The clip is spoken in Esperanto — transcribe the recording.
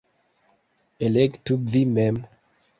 Elektu vi mem!